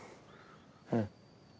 うん。